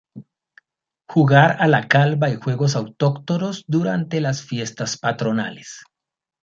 Jugar a la calva y juegos autóctonos durante las fiestas patronales.